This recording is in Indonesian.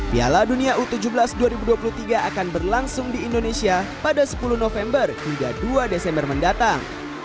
piala dunia u tujuh belas dua ribu dua puluh tiga akan berlangsung di indonesia pada sepuluh november hingga dua desember mendatang